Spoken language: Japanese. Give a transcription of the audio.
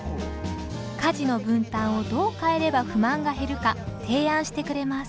家事の分担をどう変えれば不満が減るか提案してくれます。